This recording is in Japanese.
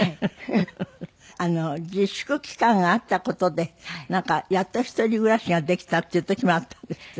自粛期間があった事でやっと一人暮らしができたっていう時もあったんですって？